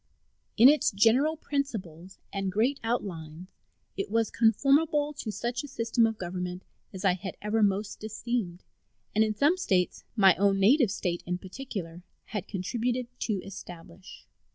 In its general principles and great outlines it was conformable to such a system of government as I had ever most esteemed, and in some States, my own native State in particular, had contributed to establish.